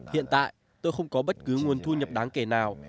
hiện tại tôi không có bất cứ nguồn thu nhập đáng kể nào